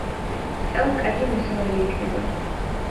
წელს კარგი მოსავალი იქნება